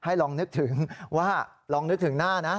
ลองนึกถึงว่าลองนึกถึงหน้านะ